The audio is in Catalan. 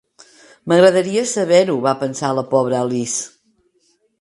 "M'agradaria saber-ho", va pensar la pobra Alice.